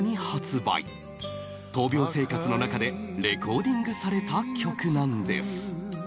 闘病生活の中でレコーディングされた曲なんです